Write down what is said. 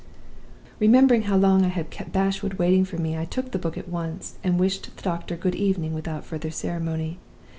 "Remembering how long I had kept Bashwood waiting for me, I took the book at once, and wished the doctor good evening without further ceremony.